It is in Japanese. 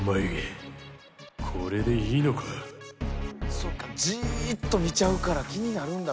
そうかじっと見ちゃうから気になるんだ。